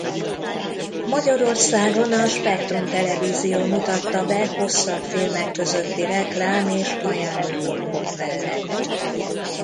Magyarországon a Spektrum Televízió mutatta be hosszabb filmek közötti reklám és ajánló blokkok mellett.